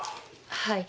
はい。